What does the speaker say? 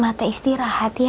mata isti rahat ya